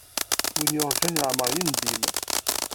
Win yurǧan leɛmeṛ yendim.